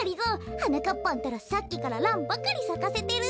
はなかっぱんったらさっきからランばかりさかせてる。